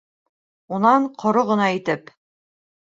Унан ҡоро ғына итеп: